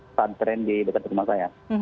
stand trend di bkt rumah saya